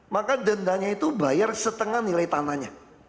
maka dendanya itu bayar setengah nilai tanahnya